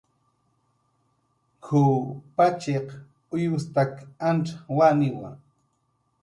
"K""uw pachiq uyustak antz waniwa"